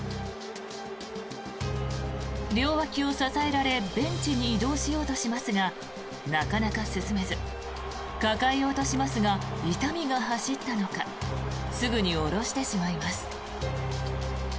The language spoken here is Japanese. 両脇を支えられベンチに移動しようとしますがなかなか進めず抱えようとしますが痛みが走ったのかすぐに下ろしてしまいます。